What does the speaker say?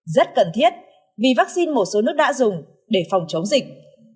rất cần thiết vì vắc xin một số nước đã dùng để phòng chống dịch